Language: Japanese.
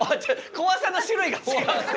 怖さの種類が違くて。